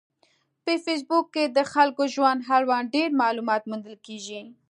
په فېسبوک کې د خلکو د ژوند اړوند ډېر معلومات موندل کېږي.